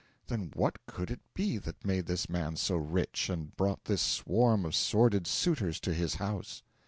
Then what could it be that made this man so rich and brought this swarm of sordid suitors to his house?